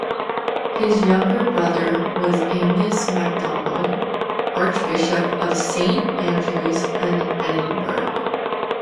His younger brother was Angus MacDonald, Archbishop of Saint Andrews and Edinburgh.